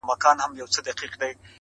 پېژندلی پر ایران او پر خُتن وو-